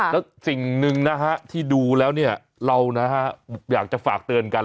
แล้วสิ่งหนึ่งนะฮะที่ดูแล้วเนี่ยเรานะฮะอยากจะฝากเตือนกัน